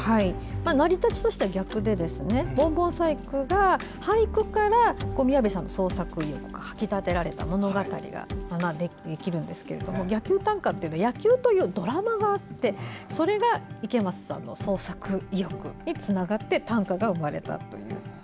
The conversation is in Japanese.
成り立ちとしては逆で「ぼんぼん彩句」が俳句から宮部さんの創作意欲がかきたてられた物語なんですけど「野球短歌」は野球というドラマがあってそれが、池松さんの創作意欲につながって短歌が生まれたと。